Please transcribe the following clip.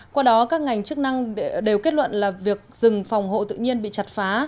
qua đó các ngành chức năng đều kết luận là việc rừng phòng hộ tự nhiên bị chặt phá